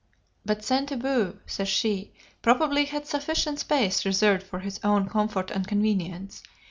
"But Sainte Beuve," says she, "probably had sufficient space reserved for his own comfort and convenience.